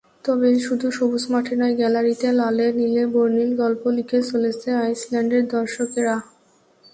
তবে শুধু সবুজ মাঠে নয়, গ্যালারিতে লালে-নীলে বর্ণিল গল্প লিখে চলেছে আইসল্যান্ডের দর্শকেরা।